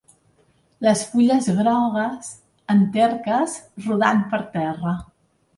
Les fulles grogues, enterques, rodant per terra.